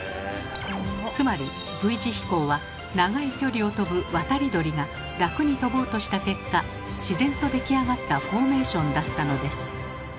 つまりＶ字飛行は長い距離を飛ぶ渡り鳥が楽に飛ぼうとした結果自然と出来上がったフォーメーションだったのです。